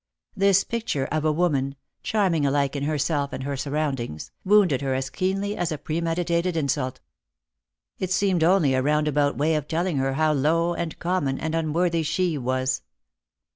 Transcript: This picture of a woman, charming alike in herself and her surroundings, wounded her as keenly as a premeditated insult. It seemed only a roundabout way of telling her how low and common and unworthy she was.